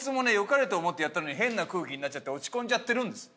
かれと思ってやったのに変な空気になっちゃって落ち込んじゃってるんです。